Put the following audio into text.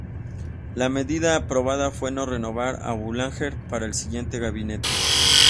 La medida aprobada fue no renovar a Boulanger para el siguiente gabinete.